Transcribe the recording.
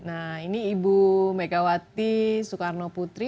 nah ini ibu megawati soekarno putri